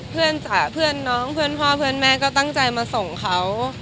เพื่อนน้องเพื่อนพ่อเพื่อนแม่ก็ตั้งใจมาส่งเขา